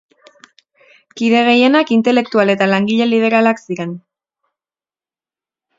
Kide gehienak intelektual eta langile liberalak ziren.